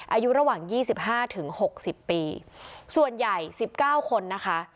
อายุระหว่าง๒๕๖๐ปีส่วนใหญ่๑๙คนนะคะ